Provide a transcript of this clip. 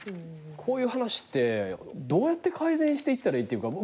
こういう話ってどうやって改善していったらいいっていうか。